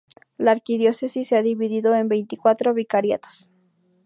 La archidiócesis se ha dividido en veinticuatro Vicariatos.